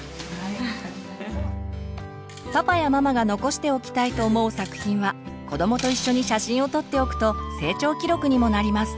パパやママが残しておきたいと思う作品は子どもと一緒に写真を撮っておくと成長記録にもなります。